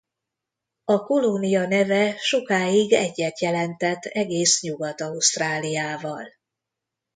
A kolónia neve sokáig egyet jelentett egész Nyugat-Ausztráliával.